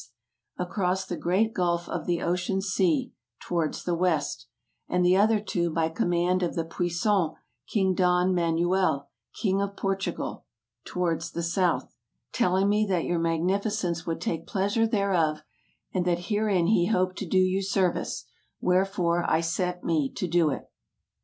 across the great gulf of the ocean sea, towards the west; and the other two by com mand of the puissant King Don Manuel, king of Portugal, towards the south : Telling me that your magnificence would take pleasure thereof, and that herein he hoped to do you service ; wherefore I set me to do it.